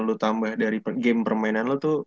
lu tambah dari game permainan lo tuh